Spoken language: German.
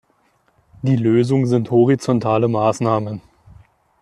Die Lösung sind horizontale Maßnahmen.